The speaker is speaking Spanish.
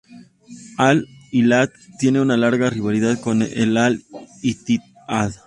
Al-Hilal tiene una larga rivalidad con Al-Ittihad.